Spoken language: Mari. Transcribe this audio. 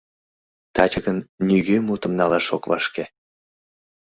Таче гын, нигӧ мутым налаш ок вашке.